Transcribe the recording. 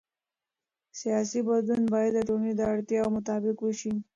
سیاسي بدلون باید د ټولنې د اړتیاوو مطابق وشي